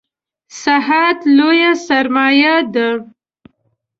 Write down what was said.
صحت لویه سرمایه ده